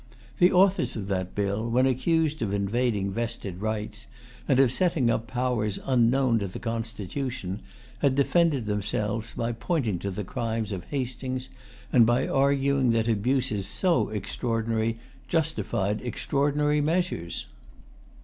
The authors of that bill, when accused of invading vested rights, and of setting up powers unknown to the Constitution, had defended themselves by pointing to the crimes of Hastings, and by arguing that abuses so extraordinary justified extraordinary measures.